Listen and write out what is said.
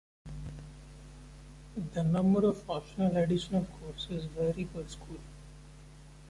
The number of optional additional courses vary per school.